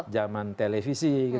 jaman televisi gitu kan